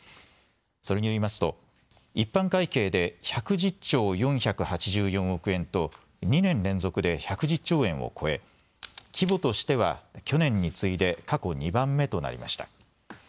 それによりますと一般会計で１１０兆４８４億円と２年連続で１１０兆円を超え規模としては去年に次いで過去２番目となりました。